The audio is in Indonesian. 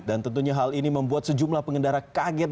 dan tentunya hal ini membuat sejumlah pengendara kaget